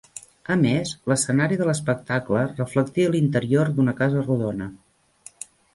A més, l'escenari de l'espectacle reflectia l'interior d'una casa rodona.